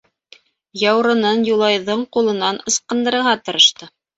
Яурынын Юлайҙың ҡулынан ысҡындырырға тырышты.